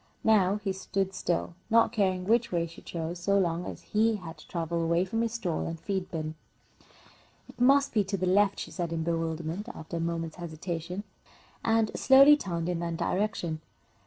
Now he stood still, not caring which way she chose so long as he had to travel away from his stall and feed bin. "It must be to the left," she said, in bewilderment, after a moment's hesitation, and slowly turned in that direction.